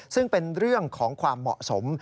ซึ่งเป็นเรื่องของความเหมาะสม